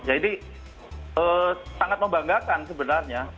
jadi sangat membanggakan sebenarnya